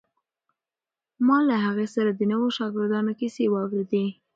ما له هغې څخه د نویو شاګردانو کیسې واورېدې.